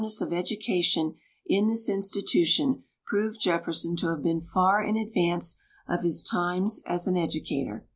ss of education in this institution prove Jefferson to have been far in advance of his times as an educator.